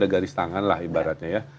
ada garis tangan lah ibaratnya ya